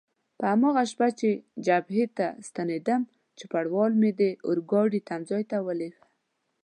په هماغه شپه چې جبهې ته ستنېدم، چوپړوال مې د اورګاډي تمځای ته ولېږه.